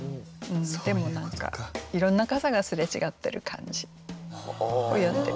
でも何かいろんな傘がすれちがってる感じを詠んでみました。